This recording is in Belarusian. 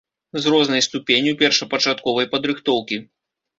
З рознай ступенню першапачатковай падрыхтоўкі.